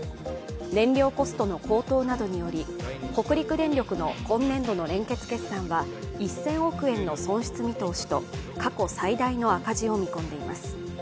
燃料コストの高騰などにより、北陸電力の今年度の連結決算は１０００億円の損失見通しと過去最大の赤字を見込んでいます。